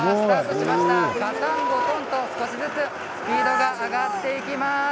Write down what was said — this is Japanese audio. ガタンゴトンとスピードが上がっていきます。